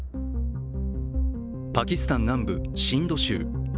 パキスタン南部シンド州。